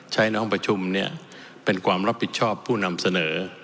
ในห้องประชุมเนี่ยเป็นความรับผิดชอบผู้นำเสนอ